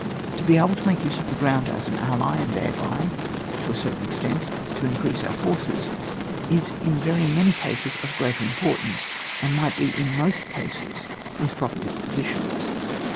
To be able to make use of the ground as an ally, and thereby, to a certain ex tent, to increase our forces, is in very many cases of greater importance, and might be, in most cases, with proper dispositions.